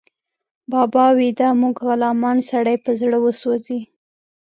بابا ويده، موږ غلامان، سړی په زړه وسوځي